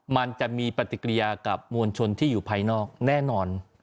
มันจะมีปฏิกิริยากับมวลชนที่อยู่ภายนอกแน่นอน